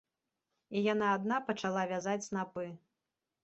І яна адна пачала вязаць снапы.